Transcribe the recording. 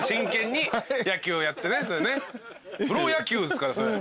プロ野球ですからそれ。